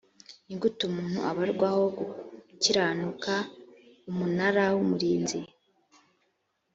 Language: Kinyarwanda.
ni gute umuntu abarwaho gukiranuka umunara w umurinzi